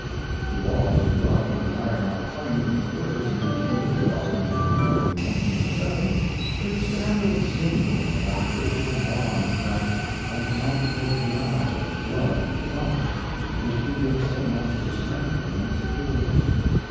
To all who love and admire Mark Twain, these words in which he was welcomed to England in 1907 should stand as a symbol of that racial bond, that entente cordiale of blood and heart, which he did so much to strengthen and secure.